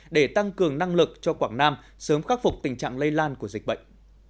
để tăng cường năng lực cho quảng nam sớm khắc phục tình trạng lây lan của dịch bệnh